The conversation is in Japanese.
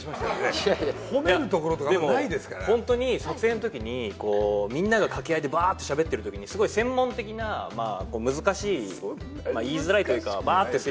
いやいやでもホントに撮影のときにみんなが掛け合いでバーってしゃべってるときにすごい専門的な難しい言いづらいというかそんなに難しくないよ